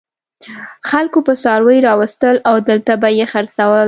خلکو به څاروي راوستل او دلته به یې خرڅول.